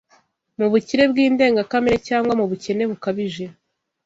mu bukire bw’indengakamere cyangwa mu bukene bukabije.